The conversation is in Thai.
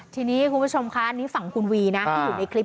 ทีนี้คุณผู้ชมคะอันนี้ฝั่งคุณวีนะที่อยู่ในคลิป